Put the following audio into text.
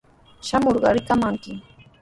Shamurqa rikamankimi.